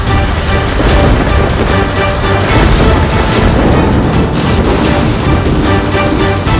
aku yang mengatakan itu